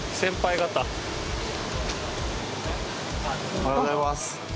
おはようございます。